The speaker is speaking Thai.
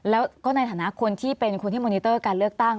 แล้วก็ในฐานะคนที่เป็นคนที่มอนิเตอร์การเลือกตั้ง